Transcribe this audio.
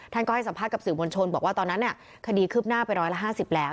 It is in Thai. ท่านก็ให้สัมภาษณ์กับสื่อมวลชนบอกว่าตอนนั้นคดีคืบหน้าไปร้อยละ๕๐แล้ว